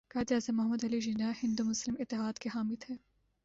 قائداعظم محمد علی جناح ہندو مسلم اتحاد کے حامی تھے